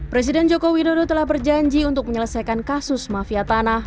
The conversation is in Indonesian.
presiden joko widodo telah berjanji untuk menyelesaikan kasus mafia tanah